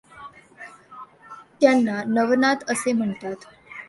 त्यांना नवनाथ असे म्हणतात.